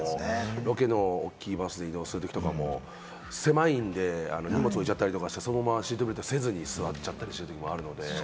ロケの大きいバスで移動するときとかも狭いので、荷物置いちゃったりして、そのままシートベルトをせずに座っちゃったりすることもあるので。